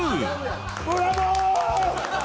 ブラボー！